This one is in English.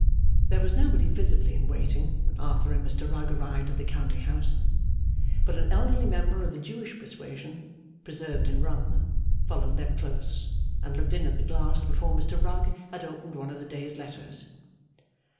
There was nobody visibly in waiting when Arthur and Mr Rugg arrived at the Counting house. But an elderly member of the Jewish persuasion, preserved in rum, followed them close, and looked in at the glass before Mr Rugg had opened one of the day's letters.